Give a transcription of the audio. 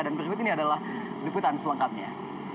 dan berikut ini adalah liputan selengkapnya